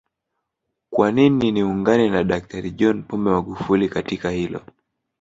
Kwanini niungane na Daktari John Pombe Magufuli katika hilo